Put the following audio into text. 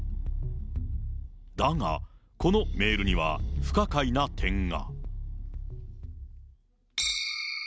だが、このメールには不可解な点が。